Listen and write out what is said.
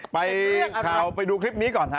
ไปเลือกไปดูคลิปนี้ก่อนค่ะ